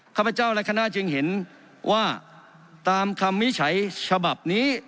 ข้าพเจ้าและคณะจึงเห็นว่าตามคำวิจัยฉบับนี้